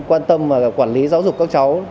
quan tâm và quản lý giáo dục các cháu